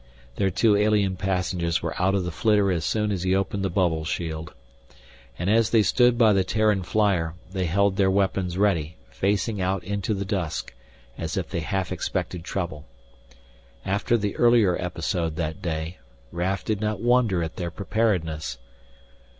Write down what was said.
Their two alien passengers were out of the flitter as soon as he opened the bubble shield. And as they stood by the Terran flyer, they held their weapons ready, facing out into the dusk as if they half expected trouble. After the earlier episode that day, Raf did not wonder at their preparedness.